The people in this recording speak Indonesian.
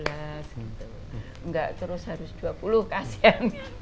enggak terus harus dua puluh kasihan